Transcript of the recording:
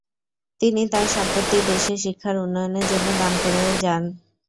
তিনি তার সম্পত্তি দেশের শিক্ষার উন্নয়নের জন্য দান করে যান।